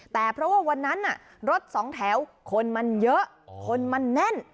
แต่เพราะว่าวันนั้นรถสองแถวคนมันเยอะคนมันแน่น